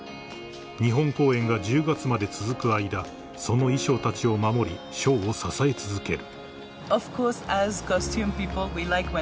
［日本公演が１０月まで続く間その衣装たちを守りショーを支え続ける］